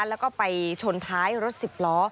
แล้วก็ไปชนท้ายรถสิบล้อ